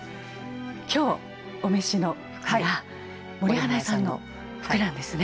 今日お召しの服は森英恵さんの服なんですね。